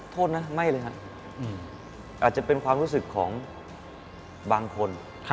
โทษนะไม่เลยครับอาจจะเป็นความรู้สึกของบางคน